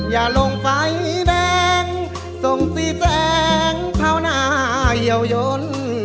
อย่าลงไฟแดงส่งสีแจ้งเผาหน้าเหย่ายน